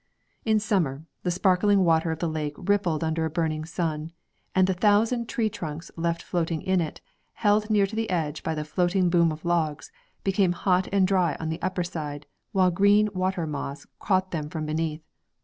In summer, the sparkling water of the lake rippled under a burning sun, and the thousand tree trunks left floating in it, held near to the edge by the floating boom of logs, became hot and dry on the upper side, while the green water moss caught them from beneath.